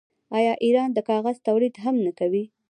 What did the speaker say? آیا ایران د کاغذ تولید هم نه کوي؟